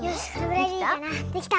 できた！